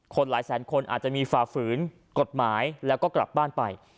หลายแสนคนอาจจะมีฝ่าฝืนกฎหมายแล้วก็กลับบ้านไป